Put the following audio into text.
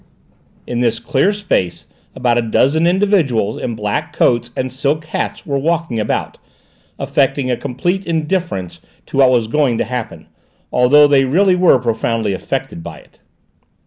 In this clear space about a dozen individuals in black coats and silk hats were walking about, affecting a complete indifference to what was going to happen, although really they were profoundly affected by it.